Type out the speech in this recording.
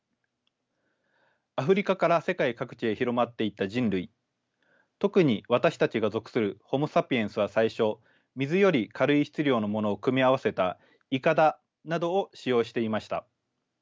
アフリカから世界各地へ広まっていった人類特に私たちが属するホモ・サピエンスは最初水より軽い質量のものを組み合わせたイカダなどを使用していました。